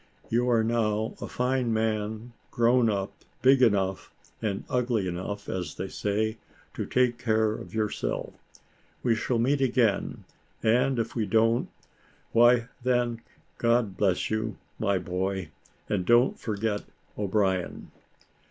You are now a fine man grown up, big enough, and ugly enough, as they say, to take care of yourself. We shall meet again; and if we don't, why then God bless you, my boy, and don't forget O'Brien."